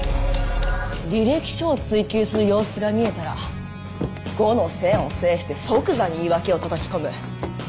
履歴書を追及する様子が見えたら後の先を制して即座に言い訳をたたき込む。